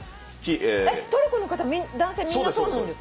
トルコの男性みんなそうなんですか？